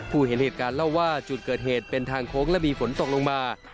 เห็นเหตุการณ์เล่าว่าจุดเกิดเหตุเป็นทางโค้งและมีฝนตกลงมา